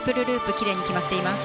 奇麗に決まっています。